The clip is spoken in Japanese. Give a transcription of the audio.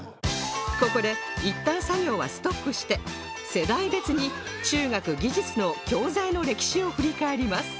ここでいったん作業はストップして世代別に中学技術の教材の歴史を振り返ります